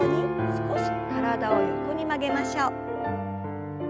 少し体を横に曲げましょう。